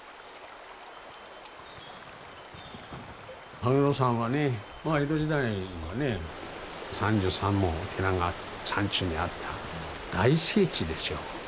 羽黒山はね江戸時代にはね３３もお寺が山中にあった大聖地でしょう。